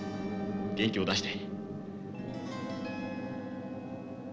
元気を出して。